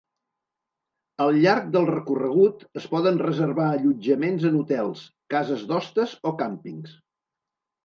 Al llarg del recorregut es poden reservar allotjaments en hotels, cases d'hostes o càmpings.